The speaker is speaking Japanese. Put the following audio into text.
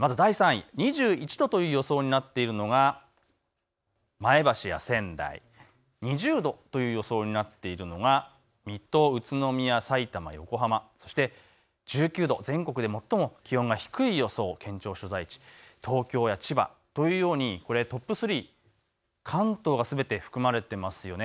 まず第３位、２１度という予想になっているのが前橋や仙台、２０度という予想になっているのが水戸、宇都宮、さいたま、横浜、そして１９度、全国で最も低い予想、県庁所在地、東京や千葉というようにトップ３、関東がすべて含まれていますよね。